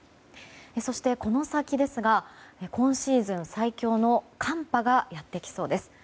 そして、この先ですが今シーズン最強の寒波がやってきそうです。